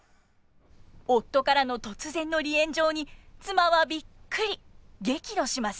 夫からの突然の離縁状に妻はビックリ！激怒します。